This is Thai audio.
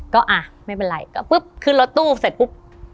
ก็อ่ะไม่เป็นไรก็ปุ๊บขึ้นรถตู้เสร็จปุ๊บ